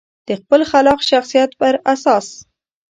د خپل خلاق شخصیت په اساس.